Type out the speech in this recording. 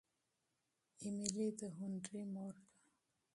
ایمیلي د هنري مور ده.